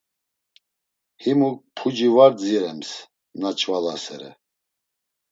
Himuk puci var dzirems na nç̆valasere.